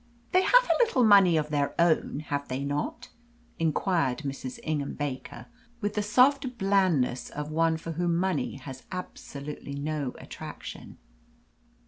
"They have a little money of their own, have they not?" inquired Mrs. Ingham Baker, with the soft blandness of one for whom money has absolutely no attraction.